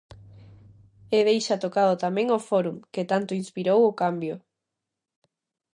E deixa tocado tamén o Fórum, que tanto inspirou o cambio.